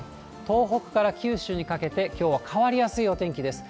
東北から九州にかけて、きょうは変わりやすいお天気です。